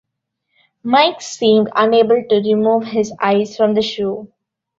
Mike seemed unable to remove his eyes from the shoe.